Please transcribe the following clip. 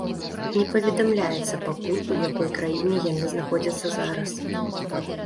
Не паведамляецца пакуль, у якой краіне яны знаходзяцца зараз.